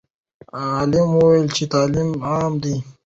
عالم وویل چې تعلیم عام دی.